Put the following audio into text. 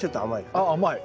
あっ甘い。